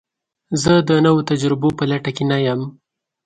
زه د نوو تجربو په لټه کې نه یم.